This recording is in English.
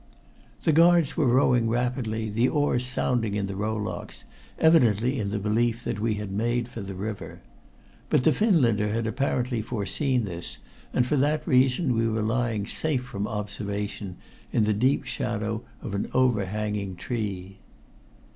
The guards were rowing rapidly, the oars sounding in the rowlocks, evidently in the belief that we had made for the river. But the Finlander had apparently foreseen this, and for that reason we were lying safe from observation in the deep shadow of an overhanging tree.